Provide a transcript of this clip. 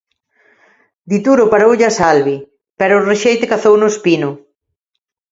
Dituro paroullo a Salvi, pero o rexeite cazouno Espino.